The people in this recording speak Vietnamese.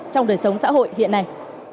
trong đời sống xã hội hiện nay